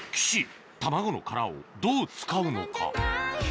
岸卵の殻をどう使うのか？